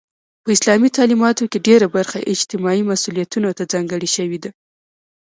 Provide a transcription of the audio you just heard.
په اسلامي تعلیماتو کې ډيره برخه اجتماعي مسئولیتونو ته ځانګړې شوی ده.